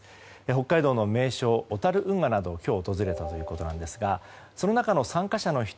北海道の名所・小樽運河などを今日訪れたということですがその中の参加者の１人